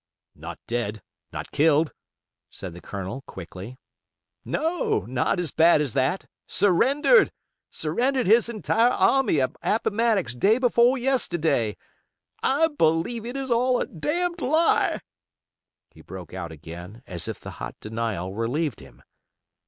"Not dead? Not killed?" said the Colonel, quickly. "No, not so bad as that; surrendered: surrendered his entire army at Appomattox day before yesterday. I believe it is all a damned lie," he broke out again, as if the hot denial relieved him.